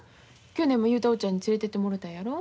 去年も雄太おっちゃんに連れていってもろたやろ。